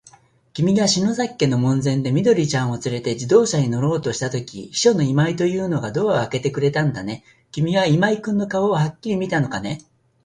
きみが篠崎家の門前で、緑ちゃんをつれて自動車に乗ろうとしたとき、秘書の今井というのがドアをあけてくれたんだね。きみは今井君の顔をはっきり見たのかね。